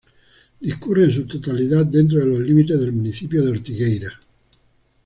Discurre en su totalidad dentro de los límites del municipio de Ortigueira.